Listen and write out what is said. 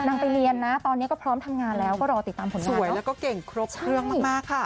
ได้กำลังใจ